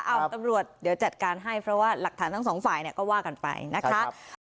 ตำรวจเดี๋ยวจัดการให้เพราะว่าหลักฐานทั้งสองฝ่ายเนี่ยก็ว่ากันไปนะคะ